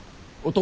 男？